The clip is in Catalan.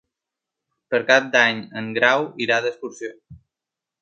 Per Cap d'Any en Grau irà d'excursió.